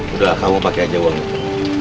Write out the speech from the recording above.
udah kamu pakai aja uang itu